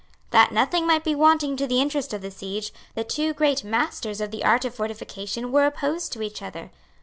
That nothing might be wanting to the interest of the siege, the two great masters of the art of fortification were opposed to each other.